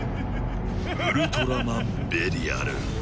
ウルトラマンベリアル。